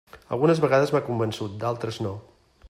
Algunes vegades m'ha convençut, d'altres no.